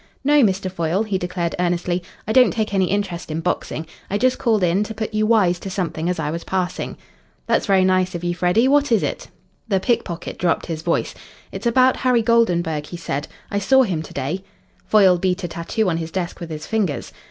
"No, Mr. Foyle," he declared earnestly. "I don't take any interest in boxing. I just called in to put you wise to something as I was passing." "That's very nice of you, Freddy. What was it?" The pick pocket dropped his voice. "It's about Harry Goldenburg," he said. "I saw him to day." Foyle beat a tattoo on his desk with his fingers.